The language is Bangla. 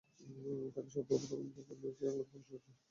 তখন সর্বপ্রথম তার যে অঙ্গটি প্রকাশ পেয়েছিল তাহলে তাঁর লজ্জাস্থান।